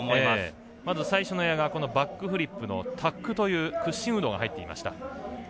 まず最初のエアがバックフリップのタックという屈伸運動が入っていました。